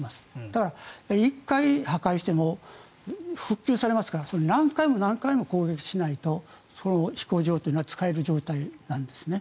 だから、１回破壊しても復旧されますから何回も何回も攻撃しないとその飛行場というのは使える状態なんですね。